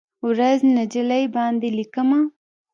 ورځ، نجلۍ باندې لیکمه